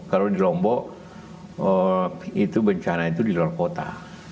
kalau di lombok itu bencana itu di luar kota